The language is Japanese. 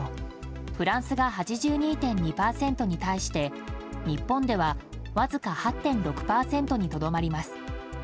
フランスが８２．２％に対して日本ではわずか８．６％にとどまります。